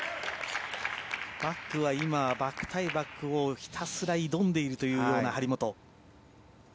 バックは今、バック対バックをひたすら挑んでいるというような張本。